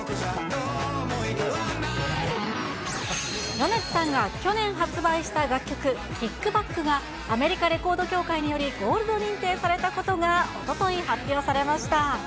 米津さんが去年発売した楽曲、キックバックが、アメリカレコード協会により、ゴールド認定されたことがおととい発表されました。